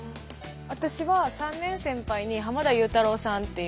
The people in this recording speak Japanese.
私は３年先輩に濱田祐太郎さんっていう。